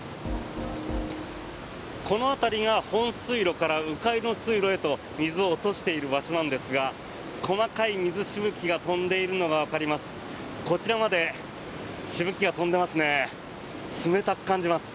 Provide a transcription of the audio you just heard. この辺りが本水路から迂回の水路へと水を落としている場所なんですが細かい水しぶきが飛んでいるのがわかります。